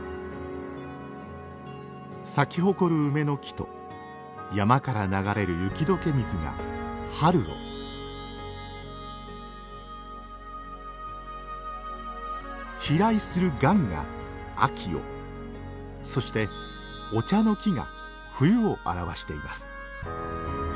咲き誇る梅の木と山から流れる雪どけ水が春を飛来するがんが秋をそしてお茶の木が冬を表しています。